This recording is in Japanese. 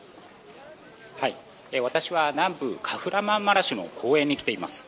私は南部カフラマンマラシュの公園に来ています。